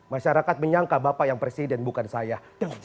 masyarakat menyangka bapak yang presiden bukan saya